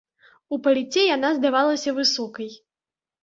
У паліце яна здавалася высокай.